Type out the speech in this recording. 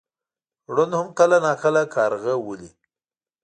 ړوند هم کله ناکله کارغه ولي .